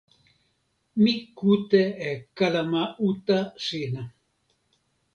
mi kute e kalama uta sina.